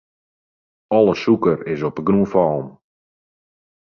Alle sûker is op de grûn fallen.